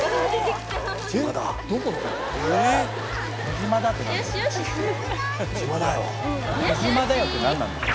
「児嶋だよ！」って何なんだよ！